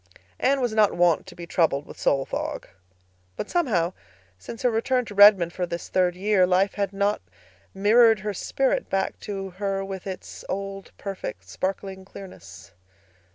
Anne was not wont to be troubled with soul fog. But, somehow, since her return to Redmond for this third year, life had not mirrored her spirit back to her with its old, perfect, sparkling clearness.